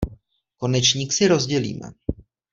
Konečník si rozdělíme.